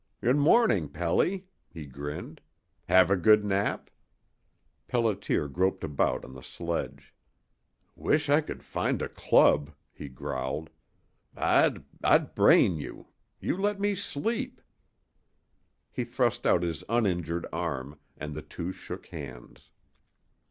"Good morning, Pelly," he grinned. "Have a good nap?" Pelliter groped about on the sledge. "Wish I could find a club," he growled. "I'd I'd brain you! You let me sleep!" He thrust out his uninjured arm, and the two shook hands.